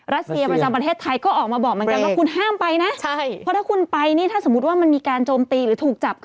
ความหวังได้แค่ขอให้การเจรจา